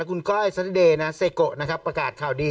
และคุณก้อยซาดีเดซาโกะประกาศข่าวดี